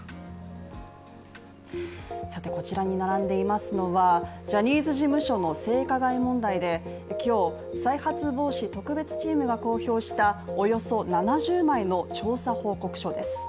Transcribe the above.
こちらに並んでいますのは、ジャニーズ事務所の性加害問題で今日、再発防止特別チームが公表したおよそ７０枚の調査報告書です。